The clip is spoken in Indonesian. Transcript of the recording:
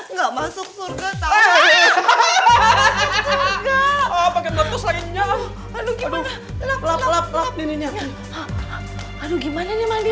nggak masuk purga tau